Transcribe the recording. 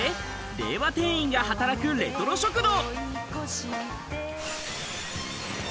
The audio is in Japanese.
令和店員が働くレトロ食堂。